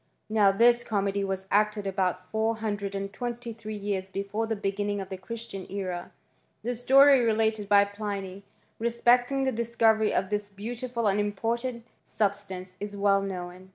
Now this comedy was acted about four idred and twenty three years before the beginning the Christian era. The story related by Pliuy, re cting the discovery of this beautiful and important •stance, is well known.